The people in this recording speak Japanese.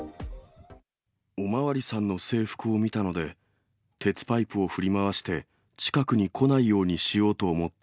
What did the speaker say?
お巡りさんの制服を見たので、鉄パイプを振り回して、近くに来ないようにしようと思った。